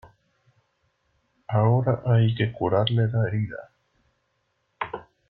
ahora hay que curarle la herida.